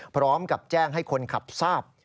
พร้อมกับแจ้งให้คนขับทราบ